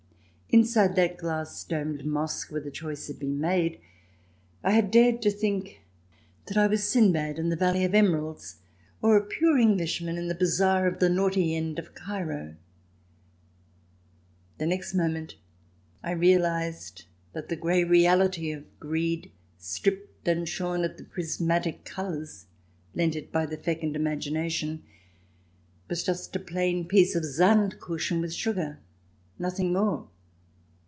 Inside that glass domed 76 THE DESIRABLE ALTEN [ch. vi mosque, where the choice had been made, I had dared to think that I was Sinbad in the Valley of Emeralds, or a pure Englishman in a bazaar in the naughty end of Cairo. The next moment I realized that the grey reality of greed, stripped and shorn of the prismatic colours lent it by the fecund imagination, was just a plain piece of Sand Kuchen with sugar, nothing more.